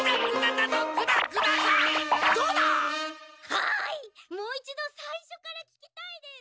はいもう一度最初から聞きたいです！